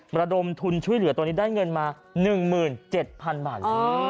ระดมทุนช่วยเหลือตอนนี้ได้เงินมา๑๗๐๐๐บาท